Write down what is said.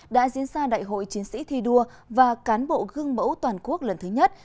đã diễn ra đại hội chiến sĩ thi đua và cán bộ gương mẫu toàn quốc lần thứ nhất